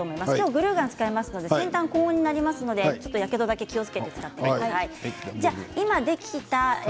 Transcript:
グルーガンの先端は高温になりますのでやけどだけ気をつけてください。